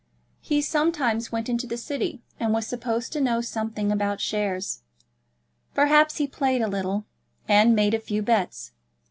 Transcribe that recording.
He sometimes went into the City, and was supposed to know something about shares. Perhaps he played a little, and made a few bets.